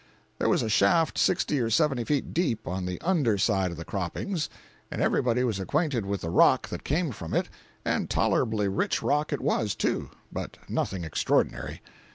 There was a shaft sixty or seventy feet deep on the under side of the croppings, and everybody was acquainted with the rock that came from it—and tolerably rich rock it was, too, but nothing extraordinary.